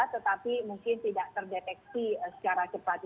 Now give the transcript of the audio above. tetapi mungkin tidak terdeteksi secara cepat